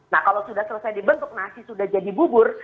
nah kalau sudah selesai dibentuk nasi sudah jadi bubur